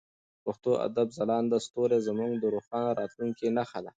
د پښتو ادب ځلانده ستوري زموږ د روښانه راتلونکي نښه ده.